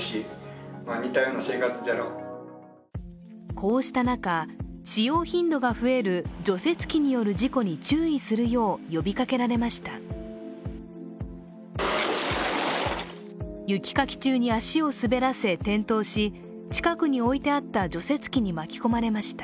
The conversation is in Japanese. こうした中、使用頻度が増える除雪機による事故に注意するよう呼びかけられました。